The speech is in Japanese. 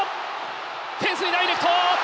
フェンスにダイレクト。